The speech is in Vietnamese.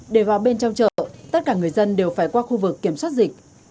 để vào bên trong chợ tất cả người dân đều phải qua khu vực kiểm soát dịch